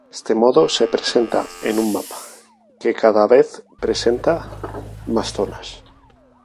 Este modo se presenta en un mapa, que cada vez presenta más zona.